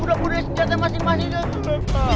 udah bunuh senjata masing masing tuh